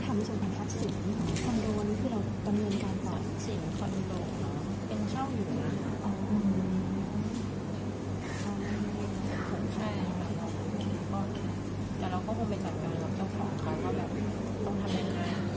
อ๋อคืออ๋อใช่แต่เราก็ควรไปจัดการแล้วต้องขอเขาก็แบบต้องทำยังไงอะไรสินะคะเราก็ควรเคลียร์ค่าเท็จจันทราย